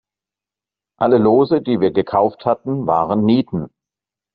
Alle Lose, die wir gekauft hatten, waren Nieten.